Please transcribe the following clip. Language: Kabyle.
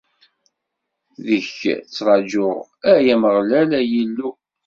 Deg-k i ttṛaǧuɣ, ay Ameɣlal, ay Illu!